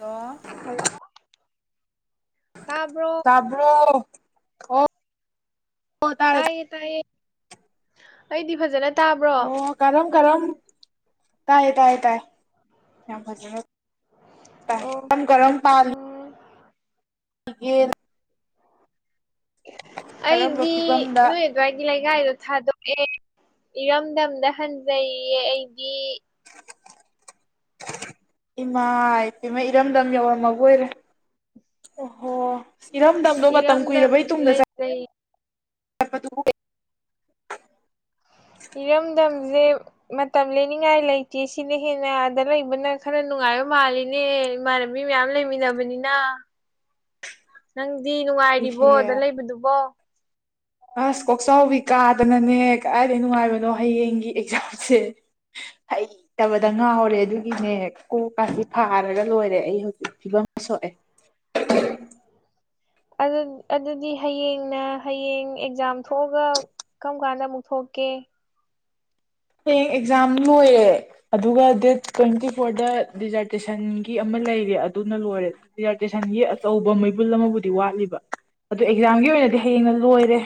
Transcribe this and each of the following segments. Hello hello ꯇꯥꯕ꯭ꯔꯣ? ꯇꯥꯕ꯭ꯔꯣ? ꯑꯣ ꯑꯣ ꯇꯥꯔꯦ ꯇꯥꯏꯌꯦ-ꯇꯥꯏꯌꯦ ꯑꯩꯗꯤ ꯐꯖꯅ ꯇꯥꯕ꯭ꯔꯣ? ꯑꯣ ꯀꯔꯝ ꯀꯔꯝ ꯇꯥꯏꯌꯦ ꯇꯥꯏ ꯇꯥꯏ ꯌꯥꯝ ꯐꯖꯅ ꯇꯥꯏ ꯑꯣ ꯀꯔꯝ ꯀꯔꯝ ꯄꯥꯜꯂꯤ ꯎꯝ ꯒꯦ ꯀꯔꯝꯕ ꯑꯩꯗꯤ ꯐꯤꯕꯝꯗ ꯅꯣꯏ ꯑꯗ꯭ꯋꯥꯏꯒꯤ ꯂꯩꯀꯥꯏꯗꯣ ꯊꯥꯗꯣꯛꯑꯦ ꯏꯔꯝꯗꯝꯗ ꯍꯟꯖꯩꯌꯦ ꯑꯩꯗꯤ ꯏꯃꯥꯏ ꯄꯦꯝꯃ ꯏꯔꯝꯗꯝ ꯌꯧꯔꯝꯃꯕꯣꯏꯔꯦ ꯑꯣꯍꯣ ꯏꯔꯝꯗꯝꯗꯣ ꯃꯇꯝ ꯀꯨꯏꯔꯕꯩ ꯇꯨꯡꯗ ꯆꯠ ꯂꯩ [inaudible] ꯏꯔꯝꯗꯝꯖꯦ ꯃꯇꯝ ꯂꯦꯟꯅꯤꯡꯉꯥꯏ ꯂꯩꯇꯦ ꯁꯤꯅ ꯍꯦꯟꯅ ꯑꯥꯗ ꯂꯩꯕꯅ ꯈꯔ ꯅꯨꯡꯉꯥꯏꯕ ꯃꯥꯜꯂꯤꯅꯦ ꯏꯃꯥꯅ ꯕꯤ ꯃꯌꯥꯝ ꯂꯩꯃꯤꯟꯅꯕꯅꯤꯅ ꯅꯪꯗꯤ ꯅꯨꯡꯉꯥꯏꯔꯤꯕꯣ ꯑꯗ ꯏꯍꯦ ꯂꯩꯕꯗꯨꯕꯣ ꯑꯁ ꯀꯣꯛꯆꯥꯎꯕꯤ ꯀꯥꯗꯅꯅꯦ ꯀꯗꯔꯥꯏꯗꯩ ꯅꯨꯡꯉꯥꯏꯕꯅꯣ ꯍꯌꯦꯡꯒꯤ ꯑꯦꯛꯖꯥꯝꯁꯦ ꯍꯩ ꯇꯕꯗ ꯉꯥꯎꯔꯦ ꯑꯗꯨꯒꯤꯅꯦ ꯀꯣꯛꯀꯁꯤ ꯐꯥꯔꯒ ꯂꯣꯏꯔꯦ ꯑꯩ ꯍꯧꯖꯤꯛ ꯐꯤꯕꯝ ꯁꯣꯛꯑꯦ [inaudible] ꯑꯗꯨ ꯑꯗꯨꯗꯤ ꯍꯌꯦꯡꯅ ꯍꯌꯦꯡ ꯑꯦꯛꯖꯥꯝ ꯊꯣꯛꯑꯒ ꯀꯝ ꯀꯥꯟꯗ ꯑꯃꯨꯛ ꯊꯣꯛꯀꯦ ꯍꯌꯦꯡ ꯑꯦꯛꯖꯥꯝ ꯂꯣꯏꯔꯦ ꯑꯗꯨꯒ ꯗꯦꯠ ꯇ꯭ꯋꯦꯟꯇꯤ ꯐꯣꯔꯗ ꯗꯤꯖꯥꯔꯇꯦꯁꯟꯒꯤ ꯑꯃ ꯂꯩꯔꯦ ꯑꯗꯨꯅ ꯂꯣꯏꯔꯦ ꯗꯤꯖꯥꯔꯇꯦꯁꯟꯒꯤ ꯑꯆꯧꯕ ꯃꯩꯕꯨꯜ ꯑꯃꯕꯨꯗꯤ ꯋꯥꯠꯂꯤꯕ ꯑꯗꯣ ꯑꯦꯛꯖꯥꯝꯒꯤ ꯑꯣꯏꯅꯗꯤ ꯍꯌꯦꯡꯅ ꯂꯣꯏꯔꯦ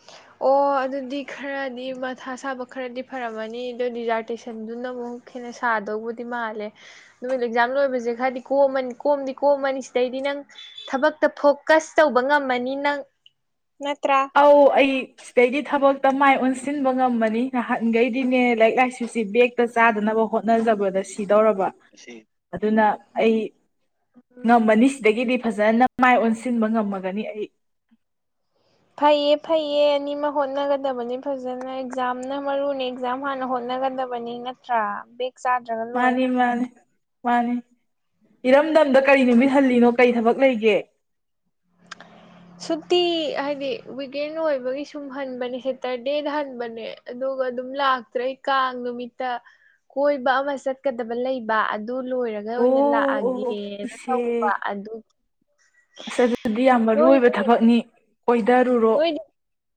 [inaudible] ꯑꯣ ꯑꯗꯨꯗꯤ ꯈꯔꯗꯤ ꯃꯊꯥ ꯁꯥꯕ ꯈꯔꯗꯤ ꯐꯔꯝꯃꯅꯤ ꯑꯗꯣ ꯗꯤꯖꯥꯔꯇꯦꯁꯟꯗꯨꯅ ꯑꯃꯨꯛ ꯍꯦꯟꯅ ꯁꯥꯗꯧꯕꯨꯗꯤ ꯃꯥꯜꯂꯦ ꯅꯨꯃꯤꯠ ꯑꯦꯛꯖꯥꯝ ꯂꯣꯏꯕꯖꯦ ꯈꯔꯗꯤ ꯀꯣꯝꯃꯅꯤ ꯀꯣꯝꯗꯤ ꯀꯣꯝꯃꯅꯤ ꯁꯤꯗꯩꯗꯤ ꯅꯪ ꯊꯕꯛꯇ ꯐꯣꯀꯁ ꯇꯧꯕ ꯉꯝꯃꯅꯤ ꯅꯪ ꯅꯠꯇ꯭ꯔꯥ ꯑꯧ ꯑꯩ ꯁꯤꯗꯩꯗꯤ ꯊꯕꯛꯇ ꯃꯥꯏ ꯑꯣꯟꯁꯤꯟꯕ ꯉꯝꯃꯅꯤ ꯅꯍꯥꯟꯒꯩꯗꯤꯅꯦ ꯂꯥꯏꯔꯤꯛ ꯂꯥꯏꯁꯨꯁꯤ ꯕꯦꯒ ꯇꯣ ꯆꯥꯗꯅꯕ ꯍꯣꯠꯅꯖꯕꯗ ꯁꯤꯗꯧꯔꯕ ꯑꯗꯨꯅ ꯑꯩ ꯉꯝꯃꯅꯤ ꯁꯤꯗꯒꯤꯗꯤ ꯐꯖꯅꯞ ꯃꯥꯏ ꯑꯣꯟꯁꯤꯟꯕ ꯉꯝꯃꯒꯅꯤ ꯑꯩ ꯐꯩꯌꯦ ꯐꯩꯌꯦ ꯑꯅꯤꯃꯛ ꯍꯣꯠꯅꯒꯗꯕꯅꯤ ꯐꯖꯅ ꯑꯦꯛꯖꯥꯝꯅ ꯃꯔꯨꯅꯤ ꯑꯦꯛꯖꯥꯝ ꯍꯥꯟꯅ ꯍꯣꯠꯅꯒꯗꯕ [unintelligible] ꯅꯠꯇ꯭ꯔꯥ ꯕꯦꯛ ꯆꯥꯗ꯭ꯔꯒ ꯂꯣꯏꯔꯦ ꯃꯥꯅꯤ ꯃꯥꯅꯤ ꯃꯥꯅꯤ ꯏꯔꯝꯗꯝꯗ ꯀꯔꯤ ꯅꯨꯃꯤꯠ ꯍꯜꯂꯤꯅꯣ ꯀꯔꯤ ꯊꯕꯛ ꯂꯩꯒꯦ ꯁꯨꯇꯤ ꯍꯥꯏꯗꯤ ꯋꯤꯛꯀꯦꯟ ꯑꯣꯏꯕꯒꯤ ꯁꯨꯝ ꯍꯟꯕꯅꯦ ꯁꯦꯇꯔꯗꯦꯗ ꯍꯟꯕꯅꯦ ꯑꯗꯨꯒ ꯑꯗꯨꯝ ꯂꯥꯛꯇ꯭ꯔꯦ ꯑꯩ ꯀꯥꯡ ꯅꯨꯃꯤꯠꯇ ꯀꯣꯏꯕ ꯑꯃ ꯆꯠꯀꯗꯕ ꯂꯩꯕ ꯑꯗꯨ ꯂꯣꯏꯔꯒ ꯐꯖꯅ ꯑꯣ ꯑꯣꯏꯅ ꯑꯣ ꯑꯣ ꯂꯥꯛꯑꯒꯦꯅ ꯇꯧꯕ ꯏꯆꯦ ꯑꯗꯨꯒꯤ ꯑꯁ ꯑꯗꯨꯗꯤ ꯌꯥꯝ ꯃꯔꯨ ꯅꯣꯏꯗꯤ ꯑꯣꯏꯕ ꯊꯕꯛꯅꯤ ꯀꯣꯏꯙꯔꯨꯔꯣ ꯅꯣꯏꯗꯤ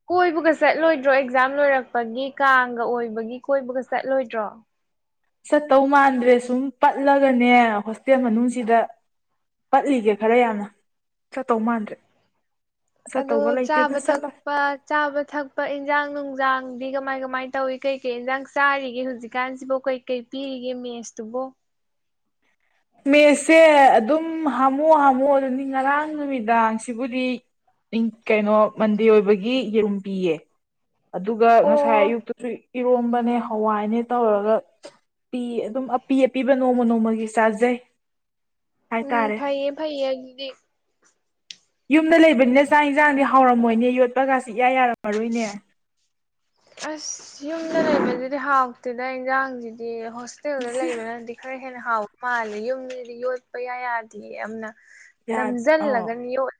ꯀꯣꯏꯕꯒ ꯆꯠꯂꯣꯏꯗ꯭ꯔꯣ ꯑꯦꯛꯖꯥꯝ ꯂꯣꯏꯔꯛꯄꯒꯤ ꯀꯥꯡꯒ ꯑꯣꯏꯕꯒꯤ ꯀꯣꯏꯕꯒ ꯆꯠꯂꯣꯏꯗ꯭ꯔꯣ ꯆꯠꯇꯧ ꯃꯥꯟꯗ꯭ꯔꯦ ꯁꯨꯝ ꯄꯠꯂꯒꯅꯦ ꯍꯣꯁꯇꯦꯜ ꯃꯅꯨꯡꯁꯤꯗ ꯀꯠꯂꯤꯒꯦ ꯈꯔ ꯌꯥꯝꯅ ꯆꯠꯇꯧ ꯃꯥꯟꯗ꯭ꯔꯦ ꯑꯗꯣ ꯆꯠꯇꯧꯕ ꯂꯩꯇꯦꯗ ꯆꯥꯕ ꯆꯠꯂꯣꯏ ꯊꯛꯄ ꯆꯥꯕ ꯊꯛꯄ ꯏꯟꯖꯥꯡ ꯅꯨꯡꯖꯥꯡꯗꯤ ꯀꯃꯥꯢ ꯀꯃꯥꯢ ꯇꯧꯢ ꯀꯩꯀꯩ ꯏꯟꯖꯥꯡ ꯆꯥꯔꯤꯒꯦ ꯍꯧꯖꯤꯛꯀꯥꯟꯁꯤꯕꯨ ꯀꯩ ꯀꯩ ꯄꯤꯔꯤꯒꯦ ꯃꯦꯁꯇꯨꯕꯣ ꯃꯦꯁꯁꯦ ꯑꯗꯨꯝ ꯍꯥꯝꯃꯨ ꯍꯥꯝꯃꯨ ꯑꯗꯨꯅꯤ ꯉꯔꯥꯡ ꯅꯨꯃꯤꯗꯥꯡꯁꯤꯕꯨꯗꯤ ꯏꯪꯛ ꯀꯩꯅꯣ ꯃꯟꯗꯦ ꯑꯣꯢꯕꯒꯤ ꯌꯦꯔꯨꯝ ꯄꯤꯌꯦ ꯑꯗꯨꯒ ꯉꯁꯥꯢ ꯑꯣ ꯑꯌꯨꯛꯇꯨꯁꯨ ꯏꯔꯣꯝꯕꯅꯦ ꯍꯋꯥꯢꯅꯦ ꯇꯧꯔꯒ ꯄꯤꯑꯦ ꯑꯗꯨꯝ ꯑꯄꯤ ꯑꯄꯤꯕ ꯅꯣꯡꯃ ꯅꯣꯡꯃꯒꯤ ꯆꯥꯖꯩ ꯎꯝ ꯍꯥꯏꯇꯥꯔꯦ ꯐꯩꯌꯦ ꯐꯩꯌꯦ ꯑꯗꯨꯗꯤ ꯌꯨꯝꯗ ꯂꯩꯕꯅꯤꯅ ꯆꯥꯛ ꯏꯟꯖꯥꯡꯗꯤ ꯍꯥꯎꯔꯝꯃꯣꯢꯅꯦ ꯌꯣꯠꯄꯒꯁꯤ ꯏꯌꯥ ꯌꯥꯔꯝꯃꯔꯣꯢꯅꯦ ꯑꯁ ꯌꯨꯝꯗ ꯂꯩꯕꯖꯤꯗꯤ ꯍꯥꯎꯇꯦꯗ ꯑꯦꯟꯖꯥꯡꯁꯤꯗꯤ ꯍꯣꯁ ꯇꯦꯜꯗ ꯂꯩꯕꯅꯗꯤ ꯈꯔ ꯍꯦꯟꯅ ꯍꯥꯎꯕ ꯃꯥꯜꯂꯦ ꯌꯨꯝꯗꯗꯤ ꯌꯣꯠꯄ ꯏꯌꯥ ꯌꯥꯗꯦ ꯑꯝꯅ ꯌꯥ ꯑꯧ ꯅꯝꯖꯜꯂꯒꯅꯤ ꯌꯣꯠ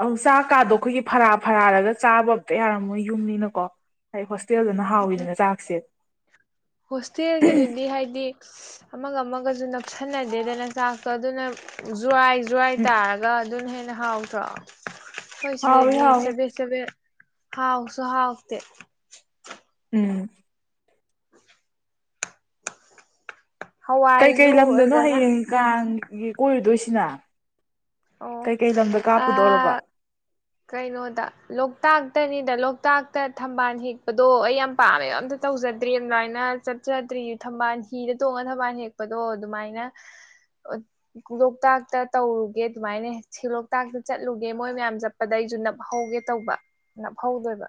ꯑꯧ ꯆꯥꯛ ꯀꯥꯗꯣ ꯈꯣꯢꯒꯤ ꯐꯔꯥ ꯐꯔꯥꯔꯒ ꯆꯥꯕ ꯑꯝꯇ ꯌꯥꯔꯝꯃꯣꯢ ꯌꯨꯝꯅꯤꯅꯀꯣ ꯍꯩ ꯍꯣꯁꯇꯦꯜꯗꯅ ꯍꯥꯎꯋꯤꯗꯅ ꯆꯥꯛꯁꯦ ꯍꯣꯁꯇꯦꯜꯒꯤꯗꯨꯗꯤ ꯍꯥꯏꯗꯤ ꯑꯃꯒ ꯑꯃꯒꯁꯨ ꯅꯞꯁꯟꯅꯗꯦꯗꯅ ꯆꯥꯛꯇꯣ ꯑꯗꯨꯅ ꯖ꯭ꯋꯥꯢ ꯖꯋꯥꯏ ꯎꯝ ꯇꯥꯔꯒ ꯑꯗꯨꯅ ꯍꯦꯟꯅ ꯍꯥꯎꯇ꯭ꯔꯣ ꯍꯣꯢ ꯁꯤꯗ ꯍꯥꯎꯋꯦ ꯗꯤ ꯍꯥꯎꯋꯦ ꯆꯦꯕꯦꯠ ꯆꯕꯦꯠ ꯍꯥꯎꯁꯨ ꯍꯥꯥꯎꯇꯦ ꯎꯝ ꯀꯩꯀꯩ ꯍꯋꯥꯏꯁꯨ ꯂꯝꯗꯅꯣ ꯑꯗꯨꯗꯅ ꯍꯌꯦꯡ ꯀꯥꯡꯒꯤ ꯀꯣꯢꯔꯨꯗꯣꯢꯁꯤꯅ ꯑꯣ ꯀꯩꯀꯩ ꯂꯝꯗ ꯑꯥ ꯀꯥꯞꯄꯨꯗꯣꯔꯕ ꯀꯩꯅꯣꯗ ꯂꯣꯛꯇꯥꯛꯇꯅꯤꯗ ꯂꯣꯛꯇꯥꯛꯇ ꯊꯝꯕꯥꯜ ꯍꯦꯛꯄꯗꯣ ꯑꯩ ꯌꯥꯝ ꯄꯥꯝꯃꯦꯕ ꯑꯝꯇ ꯇꯧꯖꯗ꯭ꯔꯤ ꯑꯃꯥꯢꯅ ꯆꯠꯆꯗ꯭ꯔꯤ ꯊꯝꯕꯥꯜ ꯍꯤꯗ ꯇꯣꯡꯉꯒ ꯊꯝꯕꯥꯜ ꯍꯦꯛꯄꯗꯣ ꯑꯗꯨꯃꯥꯢꯅ ꯂꯣꯛꯇꯥꯛꯇ ꯇꯧꯔꯨꯒꯦ ꯑꯗꯨꯃꯥꯢꯅ ꯁꯤꯂꯣꯛꯇꯥꯛꯇ ꯆꯠꯂꯨꯒꯦ ꯃꯣꯢ ꯃꯌꯥꯝ ꯆ ꯑꯗꯩꯖꯨ ꯅꯞꯍꯧꯒꯦ ꯇꯧꯕ ꯅꯞꯍꯧꯗꯣꯢꯕ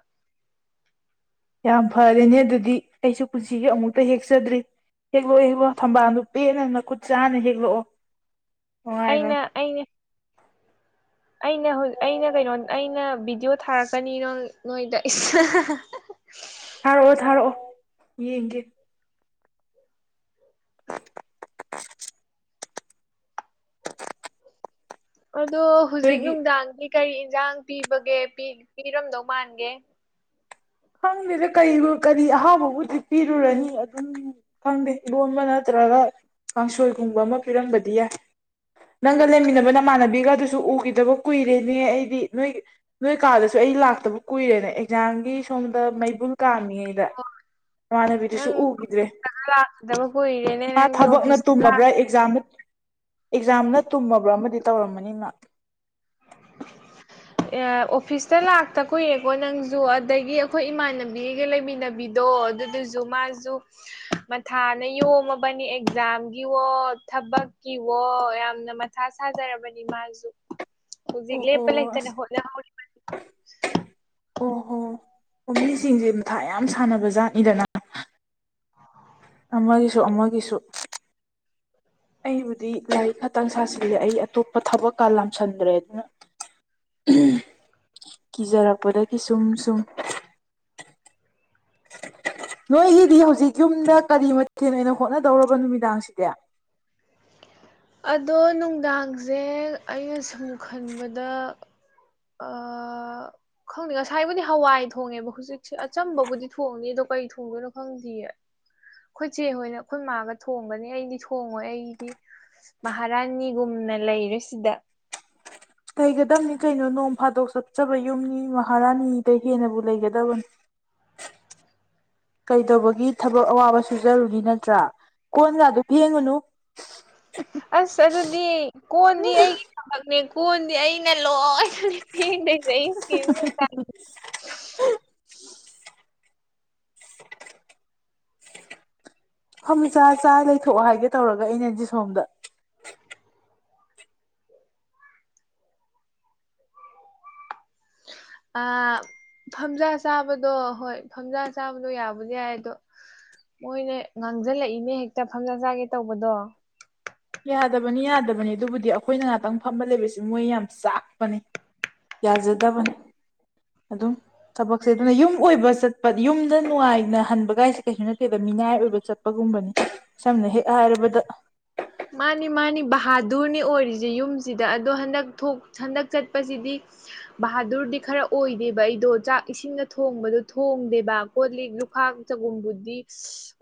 ꯌꯥꯝ ꯐꯔꯦꯅꯦ ꯑꯗꯨꯗꯤ ꯑꯩꯁꯨ ꯄꯨꯟꯁꯤꯒꯤ ꯑꯃꯨꯛꯇ ꯍꯦꯛꯆꯗ꯭ꯔꯤ ꯍꯦꯛꯂꯣ ꯍꯦꯛꯂꯣ ꯊꯝꯕꯥꯜꯗꯨ ꯄꯦꯟꯅ ꯅꯈꯨꯠ ꯆꯥꯅ ꯍꯦꯛꯂꯛꯑꯣ ꯅꯨꯡꯉꯥꯏꯅ ꯑꯩꯅ ꯑꯩꯅꯦ ꯑꯩꯅꯦ ꯍꯨ ꯑꯩꯅ ꯀꯩꯅꯣ ꯑꯩꯅ ꯚꯕꯤꯗ꯭ꯌꯣ ꯊꯥꯔꯛꯀꯅꯤ ꯅꯣ ꯅꯣꯢꯗ [inaudible] ꯊꯥꯔꯛꯑꯣ ꯊꯥꯔꯛꯑꯣ ꯌꯦꯡꯒꯦ ꯑꯗꯣ ꯍꯨꯖꯤꯛ ꯅꯣꯏꯒꯤ ꯅꯨꯡꯗꯥꯡꯗꯤ ꯀꯔꯤ ꯏꯟꯖꯥꯡ ꯄꯤꯕꯒꯦ ꯄꯤ ꯄꯤꯔꯝꯗꯧ ꯃꯥꯟꯒꯦ ꯈꯪꯗꯦꯗ ꯀꯔꯤꯕꯨ ꯀꯔꯤ ꯑꯍꯥꯎꯕꯕꯨꯗꯤ ꯄꯤꯔꯨꯔꯅꯤ ꯑꯗꯨꯝ ꯈꯪꯗꯦ ꯏꯔꯣꯟꯕ ꯅꯠꯇ꯭ꯔꯒ ꯀꯥꯡꯁꯣꯢꯒꯨꯝꯕ ꯑꯃ ꯄꯤꯔꯝꯕꯗꯤ ꯌꯥꯢ ꯅꯪꯒ ꯂꯩꯃꯤꯟꯅꯕ ꯅꯃꯥꯟꯅꯕꯤꯒꯗꯨꯁꯨ ꯎꯒꯤꯗꯕ ꯀꯨꯢꯔꯦꯅꯦ ꯑꯩꯗꯤ ꯅꯣꯢ ꯅꯣꯢ ꯀꯥꯗꯁꯨ ꯑꯩ ꯂꯥꯛꯇꯕ ꯀꯨꯢꯔꯦꯅ ꯑꯦꯛꯖꯥꯝꯒꯤ ꯁꯣꯝꯗ ꯃꯩꯕꯨꯟ ꯀꯥꯝꯃꯤꯉꯩꯗ ꯅꯃꯥꯟꯅꯕꯤꯗꯨꯁꯨ ꯅꯪ ꯎꯒꯤꯗ꯭ꯔꯦ ꯂꯥꯛꯈꯤꯗꯕ ꯀꯨꯏꯔꯦꯅꯦ ꯃꯥ ꯅꯪꯗꯤ ꯊꯕꯛꯅ ꯑꯣꯐꯤꯁꯇ ꯇꯨꯝꯃꯕ꯭ꯔꯥ ꯑꯦꯛꯖꯥꯝ ꯑꯦꯛꯖꯥꯝꯅ ꯇꯨꯝꯃꯕ꯭ꯔꯥ ꯑꯃꯗꯤ ꯇꯧꯔꯝꯃꯅꯤ ꯃ [inaudible] ꯑꯦ ꯑꯣꯐꯤꯁꯇ ꯂꯥꯛꯇ ꯀꯨꯢꯔꯦꯀꯣ ꯅꯪꯖꯨ ꯑꯗꯒꯤ ꯑꯈꯣꯢ ꯏꯃꯥꯟꯅꯕꯤꯒ ꯂꯩꯃꯤꯟꯅꯕꯤ ꯗꯣ ꯑꯗꯨꯗꯨꯖꯨ ꯃꯥꯖꯨ ꯃꯊꯥꯅ ꯌꯣꯝꯃꯕꯅꯤ ꯑꯦꯛꯖꯥꯝꯒꯤꯋꯣ ꯊꯕꯛꯀꯤꯋꯣ ꯌꯥꯝꯅ ꯃ ꯊꯥ ꯁꯥꯖꯔꯕꯅꯤ ꯃꯥꯖꯨ ꯍꯧꯖꯤꯛ ꯑꯣꯍꯣ ꯂꯦꯞꯄ ꯂꯩꯇꯅ ꯑꯁ ꯍꯣꯠꯅꯍꯧꯔꯤꯕꯅꯤ ꯃꯤ ꯁꯤꯡꯖꯦ ꯃꯊꯥ ꯌꯥꯝ ꯁꯥꯟꯅꯕ ꯖꯥꯠꯅꯤꯗꯅ ꯑꯃꯒꯤꯁꯨ ꯑꯃꯒꯤꯁꯨ ꯑꯩꯕꯨꯗꯤ ꯂꯥꯏꯔꯤꯛ ꯈꯇꯪ ꯁꯥꯁꯤꯜꯂꯦ ꯑꯩ ꯑꯇꯣꯞꯄ ꯊꯕꯛꯀ ꯂꯥꯝꯁꯟꯗ꯭ꯔꯦ ꯑꯗꯨꯅ ꯀꯤꯖꯔꯛꯄꯗꯒꯤ ꯁꯨꯝ ꯁꯨꯝ ꯅꯣꯏꯒꯤꯗꯤ ꯍꯧꯖꯤꯛ ꯌꯨꯝꯗ ꯀꯔꯤ ꯃꯊꯦꯜ ꯑꯣꯏꯅ ꯍꯣꯠꯅꯗꯧꯔꯕ ꯅꯨꯃꯤꯗꯥꯡꯁꯤꯗꯤ ꯑꯗꯣ ꯅꯨꯡꯗꯥꯡꯖꯦ ꯑꯩꯅ ꯁꯨꯝ ꯈꯟꯕꯗ ꯑ ꯈꯪꯗꯦ ꯉꯁꯥꯏꯕꯨꯗꯤ ꯍꯋꯥꯏ ꯊꯣꯡꯉꯦꯕ ꯍꯨꯖꯤꯛꯁꯦ ꯑꯆꯝꯕꯕꯨꯗꯤ ꯊꯣꯡꯅꯤ ꯑꯗꯣ ꯀꯔꯤ ꯊꯣꯡꯗꯣꯏꯅꯣ ꯈꯪꯗꯤꯌꯦ ꯈꯣꯏꯆꯦ ꯍꯣꯏꯅ ꯈꯣꯏ ꯃꯥꯒ ꯊꯣꯡꯒꯅꯤ ꯑꯩꯗꯤ ꯊꯣꯡꯉꯣꯏ ꯑꯩꯗꯤ ꯃꯍꯥꯔꯥꯅꯤꯒꯨꯝꯅ ꯂꯩꯔꯦꯁꯤꯗ ꯂꯩꯒꯗꯕꯅꯤ ꯀꯩꯅꯣ ꯅꯣꯡ ꯐꯥꯗꯣꯛ ꯆꯠꯆꯕ ꯌꯨꯝꯅꯤ ꯃꯍꯥꯔꯥꯅꯤꯗꯩ ꯍꯦꯟꯅꯕꯨ ꯂꯩꯒꯗꯕꯅꯤ ꯀꯩꯗꯧꯕꯒꯤ ꯊꯕꯛ ꯑꯋꯥꯕ ꯁꯨꯖꯔꯨꯅꯤ ꯅꯠꯇ꯭ꯔꯥ ꯀꯣꯟꯒꯗꯨ ꯐꯦꯡꯉꯨꯅꯨ ꯑꯁ ꯑꯗꯨꯗꯤ ꯀꯣꯟꯗꯤ ꯑꯩꯒꯤ ꯊꯕꯛꯅꯦ ꯀꯣꯟꯗꯤ ꯑꯩꯅ ꯂꯣꯏ ꯅ ꯅꯤ ꯐꯦꯡꯗꯩꯖꯦ ꯑꯩꯅꯦ ꯅꯨꯡꯗꯥꯡ ꯐꯝꯆꯥ ꯆꯥ ꯂꯩꯊꯣꯛꯑꯣ ꯍꯥꯏꯒꯦ ꯇꯧꯔꯒ ꯑꯩꯅꯗꯤ ꯁꯣꯝꯗ ꯑ ꯐꯝꯖꯥ ꯆꯥꯕꯗꯣ ꯍꯣꯏ ꯐꯝꯖꯥ ꯆꯥꯕꯗꯣ ꯌꯥꯕꯨꯗꯤ ꯌꯥꯏ ꯑꯗꯣ ꯃꯣꯏꯅ ꯉꯥꯡꯖꯜꯂꯛꯏꯅꯦ ꯍꯦꯛꯇ ꯐꯝꯖꯥ ꯆꯥꯒꯦ ꯇꯧꯕꯗꯣ ꯌꯥꯗꯕꯅꯤ ꯌꯥꯗꯕꯅꯤ ꯑꯗꯨꯕꯨꯗꯤ ꯑꯈꯣꯏꯅ ꯉꯥꯛꯇꯪ ꯐꯝꯕ ꯂꯩꯕꯁꯤ ꯃꯣꯏ ꯌꯥꯝ ꯆꯥꯛꯄꯅꯤ ꯌꯥꯖꯗꯕꯅꯦ ꯑꯗꯨꯝ ꯊꯕꯛꯁꯦ ꯑꯗꯨꯅ ꯌꯨꯝ ꯑꯣꯏꯕ ꯆꯠꯄ ꯌꯨꯝꯗ ꯅꯨꯡꯉꯥꯏꯅ ꯍꯟꯕꯒꯥꯏꯁꯦ ꯀꯩꯁꯨ ꯅꯠꯇꯦꯕ ꯃꯤꯅꯥꯏ ꯑꯣꯏꯕ ꯆꯠ ꯄꯒꯨꯝꯕꯅꯤ ꯁꯝꯅ ꯍꯦꯛ ꯍꯥꯏꯔꯕꯗ ꯃꯥꯅꯤ ꯃꯥꯅꯤ ꯕꯍꯥꯗꯨꯔꯅꯤ ꯑꯣꯏꯔꯤꯖꯦ ꯌꯨꯝꯁꯤꯗ ꯑꯗꯣ ꯍꯟꯗꯛ ꯊꯣꯛ ꯍꯟꯗꯛ ꯆꯠꯄꯁꯤꯗꯤ ꯕꯍꯥꯗꯨꯔꯗꯤ ꯈꯔ ꯑꯣꯏꯗꯦꯕ ꯑꯩꯗꯣ ꯆꯥꯛ ꯏꯁꯤꯡꯅ ꯊꯣꯡꯕꯗꯣ ꯊꯣꯡꯗꯦꯕ ꯀꯣ ꯂꯤꯛ ꯈꯥꯛ ꯆꯒꯨꯝꯕꯨꯗꯤ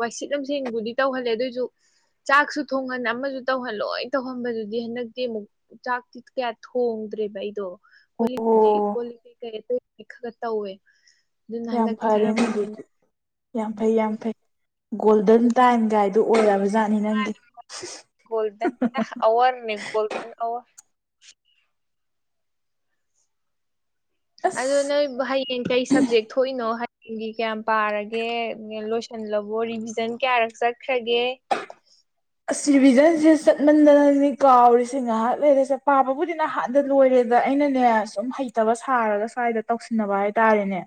ꯋꯥꯏꯁꯤꯠ ꯂꯝꯁꯦꯡꯕꯨꯗꯤ ꯇꯧꯍꯜꯂꯦ ꯑꯗꯨꯑꯣꯏꯖꯨ ꯆꯥꯛꯁꯨ ꯊꯣꯡꯍꯟ ꯑꯃꯁꯨ ꯇꯧꯍꯟ ꯂꯣꯏ ꯇꯧꯍꯟꯕꯗꯨꯗꯤ ꯍꯟꯗꯛꯇꯤ ꯃꯨꯛ ꯆꯥꯛꯇꯤ ꯀꯌꯥ ꯊꯣꯡꯗ꯭ꯔꯦꯕ ꯑꯩꯗꯣ ꯀꯣꯜ ꯑꯣ ꯂꯤꯛꯄꯨꯗꯤ ꯀꯣꯜ ꯂꯤꯛ ꯀꯩꯀꯩ ꯑꯇꯩ ꯈꯔ ꯈ ꯇꯧꯋꯦ ꯑꯗꯨꯅ ꯌꯥꯝ ꯍꯟꯗꯛꯇꯤ ꯈꯔ ꯐꯔꯦꯅꯦ ꯐꯩ ꯗꯨꯗꯤ ꯍꯟꯗꯛ ꯌꯥꯝ ꯐꯩ ꯌꯥꯝ ꯐꯩ ꯒꯣꯜꯗꯟ ꯇꯥꯏꯝ ꯒꯥꯏꯗꯨ ꯑꯣꯏꯔꯕ ꯖꯥꯟ ꯒꯣꯜꯗꯟ ꯑꯋꯔꯅꯦ ꯒꯣꯜꯗꯟ ꯑꯋꯔ ꯑꯗꯣ ꯑꯁ ꯅꯣꯢꯝ ꯍꯌꯦꯡ ꯀꯩ ꯁꯞꯖꯦꯛ ꯊꯣꯛꯏꯅꯣ ꯍꯌꯦꯡꯒꯤ ꯀ꯭ꯌꯥꯝ ꯄꯥꯔꯒꯦ ꯂꯣꯏꯁꯟꯂꯕꯣ ꯔꯤꯚꯤꯖꯟ ꯀ꯭ꯌꯥ ꯔꯛ ꯆꯠꯈ꯭ꯔꯒꯦ ꯑꯁ ꯔꯤꯚꯤꯖꯟꯁꯦ ꯆꯠꯃꯟꯗꯅꯅꯤ ꯀꯥꯎꯔꯤꯁꯦ ꯉꯥꯏꯍꯥꯛ ꯂꯩꯔꯦ ꯄꯥꯕꯕꯨꯗꯤ ꯅꯍꯥꯟꯅ ꯑꯗ ꯂꯣꯏꯔꯦꯗ ꯑꯩꯅꯅꯦ ꯁꯨꯝ ꯍꯩꯇꯕ ꯁꯥꯔꯒ ꯁ꯭ꯋꯥꯏꯗ ꯇꯧꯁꯤꯟꯅꯕ ꯍꯥꯏꯇꯥꯔꯦꯅꯦ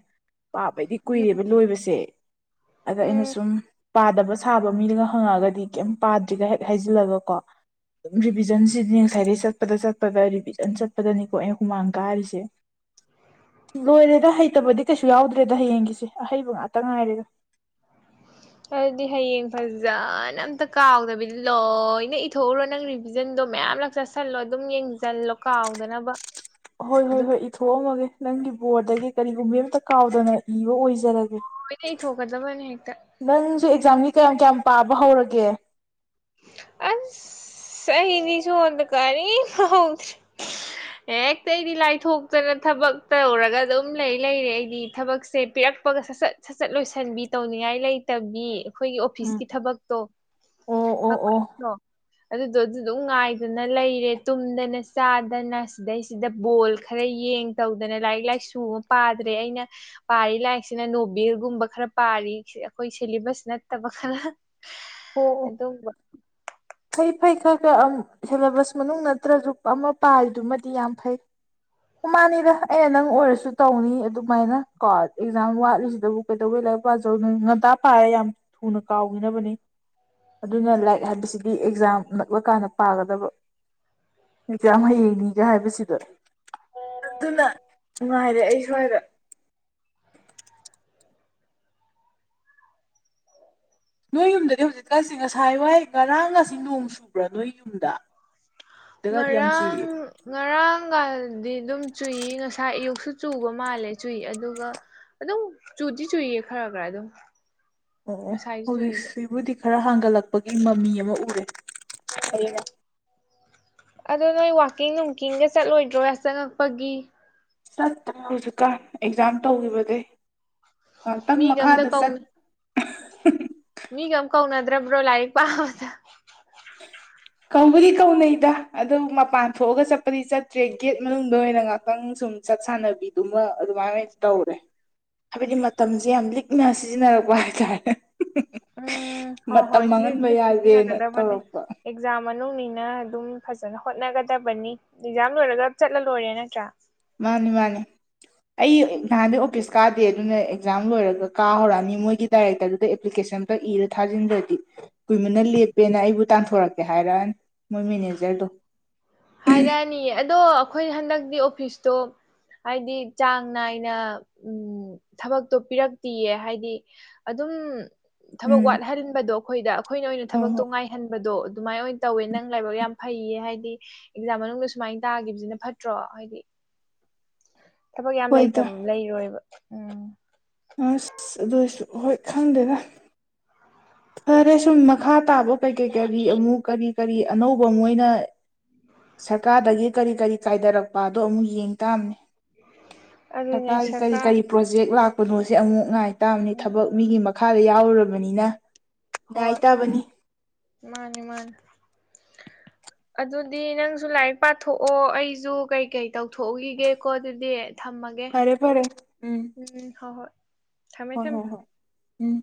ꯄꯥꯕꯩꯗꯤ ꯀꯨꯏꯔꯦꯕ ꯂꯣꯏꯕꯁꯦ ꯑꯗ ꯑꯩꯅ ꯎꯝ ꯁꯨꯝ ꯄꯥꯗꯕ ꯁꯥꯕ ꯃꯤꯅꯒ ꯍꯪꯉꯛꯑꯒꯗꯤ ꯀꯩꯝ ꯄꯥꯗ꯭ꯔꯤꯒ ꯍꯦꯛ ꯍꯩꯖꯤꯜꯂꯒ ꯀꯣ ꯔꯤꯚꯤꯖꯟꯁꯤꯗꯤꯅꯦ ꯉꯁꯥꯏꯗꯩ ꯆꯠꯄꯗ ꯆꯠꯄꯗ ꯔꯤꯚꯤꯖꯟ ꯆꯠꯄꯗꯅꯤꯀꯣ ꯑꯩꯅ ꯍꯨꯃꯥꯡ ꯀꯥꯔꯤꯁꯦ [inaudible] ꯂꯣꯏꯔꯦꯗ ꯍꯩꯇꯕꯗꯤ ꯀꯩꯁꯨ ꯌꯥꯎꯗ꯭ꯔꯦꯗ ꯍꯌꯦꯡꯒꯤꯁꯦ ꯑꯍꯩꯕ ꯉꯥꯛꯇ ꯉꯥꯏꯔꯦ ꯑꯗꯨꯗꯤ ꯍꯌꯦꯡ ꯐꯖꯅ ꯑꯝꯇ ꯀꯥꯎꯗꯕꯤꯗ ꯂꯣꯏꯅ ꯏꯊꯣꯛꯎꯔꯣ ꯅꯪ ꯚꯤꯖꯟꯗꯣ ꯃꯌꯥꯝꯂꯛ ꯆꯁꯜꯂꯣ ꯑꯗꯨꯝ ꯌꯦꯡꯖꯜꯂꯣ ꯀꯥꯎꯗꯅꯕ ꯍꯣꯏ ꯍꯣꯏ ꯑꯗꯨ ꯍꯣꯏ ꯏꯊꯣꯛꯑꯝꯃꯒꯦ ꯅꯪꯒꯤ ꯕꯣꯔꯗꯒꯤ ꯀꯔꯤꯒꯨꯝꯕ ꯑꯃꯝꯇ ꯀꯥꯎꯗꯅ ꯏꯕ ꯑꯣꯏꯖꯔꯒꯦ ꯂꯣꯏꯅ ꯏꯊꯣꯛꯀꯗꯕꯅꯦ ꯍꯦꯛꯇ ꯅꯪꯖꯨ ꯑꯦꯛꯖꯥꯝꯒꯤ ꯀꯌꯥꯝ ꯀꯌꯥꯝ ꯄꯥꯕ ꯍꯧꯔꯒꯦ ꯑꯁ ꯑꯩꯗꯤ ꯁꯣꯟꯗ ꯀꯥꯔꯤꯝ ꯍꯧꯗ꯭ꯔꯦ ꯍꯦꯛꯇ ꯑꯩꯗꯤ ꯂꯥꯏꯊꯣꯛꯇꯅ ꯊꯕꯛ ꯇꯧꯔꯒ ꯑꯗꯨꯝ ꯂꯩ ꯂꯩꯔꯦ ꯑꯩꯗꯤ ꯊꯕꯛꯁꯦ ꯄꯤꯔꯛ ꯄꯒ ꯁꯁꯠ ꯁꯁꯠ ꯂꯣꯏꯁꯟꯕꯤ ꯇꯧꯅꯤꯡꯉꯥꯏ ꯂꯩꯇꯕꯤ ꯈꯣꯏꯒꯤ ꯎꯝ ꯑꯣꯐꯤꯁꯀꯤ ꯊꯕꯛꯇꯣ ꯑꯣ ꯑꯣ ꯑꯣ [unintelligible] ꯑꯗꯨꯗꯣ ꯑꯗꯨꯗꯨꯝ ꯉꯥꯏꯗꯨꯅ ꯂꯩꯔꯦ ꯇꯨꯝꯗꯅ ꯆꯥꯗꯅ ꯁꯤꯗꯩꯁꯤꯗ ꯕꯣꯜ ꯈꯔ ꯌꯦꯡ ꯇꯧꯗꯅ ꯂꯥꯏꯔꯤꯛ ꯂꯥꯏꯁꯨꯃ ꯄꯥꯗ꯭ꯔꯦ ꯑꯩꯅ ꯄꯥꯔꯤ ꯂꯥꯏꯛꯁꯤꯅ ꯅꯣꯕꯦꯜꯒꯨꯝꯕ ꯈꯔ ꯄꯥꯔꯤ ꯑꯈꯣꯏ ꯁꯤꯂꯤꯕꯁ ꯅꯠꯇꯕ ꯈꯔ ꯑꯣ ꯑꯣ ꯑꯗꯨꯝꯕ ꯐꯩ ꯐꯩ ꯈ꯭ꯔ ꯈ꯭ꯔ ꯑꯝ ꯁꯦꯂꯦꯕꯁ ꯃꯅꯨꯡ ꯅꯠꯇ꯭ꯔꯖꯨ ꯑꯃ ꯄꯥꯔꯤꯗꯨꯃꯗꯤ ꯌꯥꯝ ꯐꯩ ꯃꯥꯅꯤꯗ ꯑꯩꯅ ꯅꯪ ꯑꯣꯏꯔꯁꯨ ꯇꯧꯅꯤ ꯑꯗꯨꯃꯥꯏꯅ ꯀꯣ ꯑꯦꯛꯖꯥꯝ ꯋꯥꯠꯂꯤꯁꯤꯗꯕꯨ ꯀꯩꯗꯧꯕꯤ ꯂꯥꯏꯛ ꯄꯥꯖꯧꯗꯨꯢꯅꯣ ꯉꯟꯇꯥ ꯄꯥꯔ ꯌꯥꯝ ꯊꯨꯅ ꯀꯥꯎꯈꯤꯅꯕꯅꯤ ꯑꯗꯨꯅ ꯂꯥꯏꯛ ꯍꯥꯏꯕꯁꯤ ꯗꯤ ꯑꯦꯛꯖꯥꯝ ꯅꯛꯂꯀꯥꯟꯗ ꯄꯥꯒꯗꯕ ꯑꯦꯛꯖꯥꯝ ꯍꯌꯦꯡꯅꯤꯒ ꯍꯥꯏꯕꯁꯤꯗ ꯑꯗꯨꯅ ꯅꯨꯡꯉꯥꯏꯔꯦ ꯑꯩ ꯁ꯭ꯋꯥꯏꯗ ꯅꯣꯏ ꯌꯨꯝꯗꯗꯤ ꯍꯧꯖꯤꯛꯀꯥꯟꯁꯦ ꯉꯁꯥꯏ ꯋꯥꯏ ꯉꯔꯥꯡ ꯒꯁꯤ ꯅꯣꯡ ꯆꯨꯕ꯭ꯔꯥ ꯅꯣꯏ ꯌꯨꯝꯗ ꯗꯒꯗꯤ ꯌꯥꯝ ꯉꯔꯥꯡ ꯆꯨꯏꯌꯦ ꯉꯔꯥꯡꯒꯥꯗ ꯗꯤ ꯗꯨꯝ ꯆꯨꯏ ꯉꯁꯥꯏ ꯑꯌꯨꯛꯁꯨ ꯆꯨꯕ ꯃꯥꯜꯂꯦ ꯆꯨꯏ ꯑꯗꯨꯒ ꯑꯗꯨꯝ ꯆꯨꯗꯤ ꯆꯨꯏꯌꯦ ꯈ꯭ꯔ ꯒ ꯑꯗꯨꯝ ꯑꯣ ꯑꯣ ꯉꯁꯥꯏꯁꯨ ꯆꯨꯏꯕ ꯍꯧꯖꯤꯛꯁꯤꯕꯨꯗꯤ ꯈꯔ ꯍꯥꯡꯒꯠꯂꯛꯄꯒꯤ ꯃꯃꯤ ꯑꯃ ꯎꯔꯦ ꯍꯌꯦꯡ ꯑꯗꯣ ꯅꯣꯏ ꯋꯥꯛꯀꯤꯡ ꯅꯨꯡꯀꯤꯡꯒ ꯆꯠꯂꯣꯏꯗ꯭ꯔꯣ ꯌꯥꯆꯪꯉꯛꯄꯒꯤ ꯆꯠꯇ꯭ꯔꯦ ꯍꯧꯖꯤꯛꯀꯥꯟ ꯑꯦꯛꯖꯥꯝ ꯇꯧꯒꯤꯕꯗꯩ ꯉꯥꯛꯇꯪ ꯃꯤꯒ ꯑꯝꯇ ꯃꯈꯥꯗ ꯆꯠ ꯀꯧꯅ ꯃꯤꯒ ꯑꯝ ꯀꯧꯅꯗ꯭ꯔꯕ꯭ꯔꯣ ꯂꯥꯏꯔꯤꯛ ꯄꯥꯕꯗ ꯀꯧꯕꯨꯗꯤ ꯀꯧꯅꯩꯗ ꯑꯗꯨ ꯃꯄꯥꯟ ꯊꯣꯛꯑꯒ ꯆꯠꯄꯗꯤ ꯆꯠꯇ꯭ꯔꯦ ꯒꯦꯠ ꯃꯅꯨꯡꯗ ꯑꯣꯏꯅ ꯉꯥꯛꯇꯪ ꯁꯨꯝ ꯆꯠ ꯁꯥꯟꯅꯕꯤꯗꯨꯃ ꯑꯗꯨꯃꯥꯏꯟ ꯑꯣꯏ ꯇꯧꯔꯦ ꯍꯥꯏꯕꯗꯤ ꯃꯇꯝꯖꯦ ꯌꯥꯝ ꯂꯤꯛꯅ ꯁꯤꯖꯤꯟꯅꯔꯛꯄ ꯍꯥꯏꯇꯥꯔꯦ ꯎꯝ ꯍꯣꯏ ꯃꯇꯝ ꯍꯣꯏ ꯃꯥꯡꯍꯟꯕ ꯊꯤꯅ ꯌꯥꯗꯦꯅ ꯁꯤꯖꯤꯟꯅꯒꯗꯕꯅꯤ ꯇꯧꯔꯛꯄ ꯑꯦꯛꯖꯥꯝ ꯃꯅꯨꯡꯅꯤꯅ ꯑꯗꯨꯝ ꯐꯖꯅ ꯍꯣꯠꯅꯒꯗꯕꯅꯤ ꯑꯦꯛꯖꯥꯝ ꯂꯣꯏꯔꯒ ꯆꯠꯂ ꯂꯣꯏꯔꯦ ꯅꯠꯇ꯭ꯔꯥ ꯃꯥꯅꯤ ꯃꯥꯅꯤ ꯑꯩ ꯅꯍꯥꯟꯗꯩ ꯑꯣꯄꯤꯁ ꯀꯥꯗꯦ ꯑꯗꯨꯅ ꯑꯦꯛꯖꯥꯝ ꯂꯣꯏꯔꯒ ꯀꯥ ꯍꯧꯔꯛꯑꯅꯤ ꯃꯣꯏꯒꯤ ꯗꯥꯏꯔꯦꯛꯇꯔꯗꯨꯗ ꯑꯦꯄ꯭ꯂꯤꯀꯦꯁꯟ ꯒ ꯏꯔ ꯊꯥꯖꯤꯟꯗ ꯗꯤ ꯀꯨꯏꯃꯟꯅ ꯂꯦꯞꯄꯦꯅ ꯑꯩꯕꯨ ꯇꯥꯟꯊꯣꯔꯛꯀꯦ ꯍꯥꯏꯔꯛꯑꯅꯤ ꯃꯣꯏ ꯃꯦꯅꯦꯖꯔꯗꯣ ꯍꯥꯏꯔꯛꯑꯅꯤ ꯌꯦ ꯑꯗꯣ ꯑꯈꯣꯏ ꯍꯟꯗꯛꯇꯤ ꯑꯣꯐꯤꯁꯇꯣ ꯍꯥꯏꯗꯤ ꯆꯥꯡ ꯅꯥꯏꯅ ꯎꯝ ꯊꯕꯛꯇꯣ ꯄꯤꯔꯛꯇꯤꯌꯦ ꯍꯥꯏꯗꯤ ꯑꯗꯨꯝ ꯊꯕꯛ ꯎꯝ ꯋꯥꯠꯍꯟꯕꯗꯣ ꯑꯈꯣꯏꯗ ꯑꯈꯣꯏꯅ ꯑꯣꯏꯅ ꯍꯣꯏ ꯊꯕꯛꯇꯣ ꯍꯣꯏ ꯉꯥꯏꯍꯟꯕꯗꯣ ꯑꯗꯨꯃꯥꯏ ꯑꯣꯏ ꯇꯧꯋꯦ ꯅꯪ ꯂꯥꯏꯕꯛ ꯌꯥꯝ ꯐꯩꯌꯦ ꯍꯥꯏꯗꯤ ꯑꯦꯛꯖꯥꯝ ꯃꯅꯨꯡꯗ ꯁꯨꯃꯥꯏꯟ ꯇꯥꯒꯤꯕꯖꯤꯅ ꯐꯠꯇ꯭ꯔꯣ ꯍꯥꯏꯗꯤ ꯊꯕꯛ ꯌꯥꯝ ꯂꯩꯇ ꯍꯣꯏꯗ ꯂꯩꯔꯣꯏꯌꯦꯕ ꯎꯝ ꯑꯁ ꯑꯗꯣꯏꯁꯨ ꯍꯣꯏ ꯈꯪꯗꯦꯗ ꯐꯔꯦ ꯁꯨꯝ ꯃꯈꯥ ꯇꯥꯕ ꯀꯩꯀꯩ ꯀꯔꯤ ꯑꯃꯨꯛ ꯀꯔꯤ ꯀꯔꯤ ꯑꯅꯧꯕ ꯃꯣꯏꯅ ꯁꯔꯀꯥꯔꯗꯒꯤ ꯀꯔꯤ ꯀꯔꯤ ꯀꯥꯏꯗꯔꯛ ꯄꯥꯗꯣ ꯑꯃꯨꯛ ꯌꯦꯡ ꯇꯥꯝꯅꯤ ꯑꯗꯨꯅꯦ ꯁꯔꯀꯥꯔꯒꯤ ꯀꯔꯤ ꯁꯔꯀꯥꯔ ꯀꯔꯤ ꯄ꯭ꯔꯣꯖꯦꯛ ꯂꯥꯛꯄꯅꯣꯁꯦ ꯑꯃꯨꯛ ꯉꯥꯏ ꯇꯥꯕꯅꯤ ꯎꯝ ꯊꯕꯛ ꯃꯤꯒꯤ ꯃꯈꯥꯗ ꯌꯥꯎꯔꯨꯔꯕꯅꯤꯅ ꯉꯥꯏ ꯇꯥꯕꯅꯤ ꯃꯥꯅꯤ ꯃꯥꯅꯤ ꯑꯗꯨꯗꯤ ꯅꯪꯖꯨ ꯂꯥꯏꯛ ꯄꯥꯊꯣꯛꯑꯣ ꯑꯩꯖꯨ ꯀꯩꯀꯩ ꯇꯧꯊꯣꯛꯎꯒꯤꯒꯦꯀꯣ ꯑꯗꯨꯗꯤ ꯊꯝꯃ ꯐꯔꯦ ꯐꯔꯦ ꯎꯝ ꯎꯝ ꯍꯣ ꯍꯣꯏ ꯊꯝꯃꯦ ꯍꯣꯏ ꯊꯝꯃꯦ ꯍꯣꯏ ꯍꯣꯏ ꯎꯝ